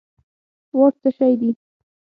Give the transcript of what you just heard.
واټ څه شی دي